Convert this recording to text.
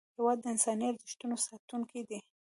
هېواد د انساني ارزښتونو ساتونکی دی.